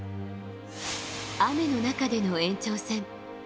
雨の中での延長戦。